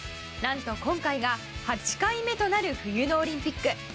なんと、今回が８回目となる冬のオリンピック。